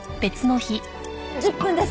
１０分です。